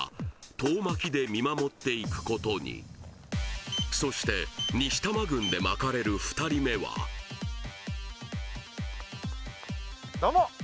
遠巻きで見守っていくことにそして西多摩郡で撒かれる２人目はいえーい